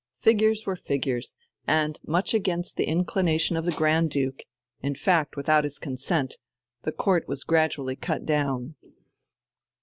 Figures were figures, and, much against the inclination of the Grand Duke, in fact without his consent, the Court was gradually cut down.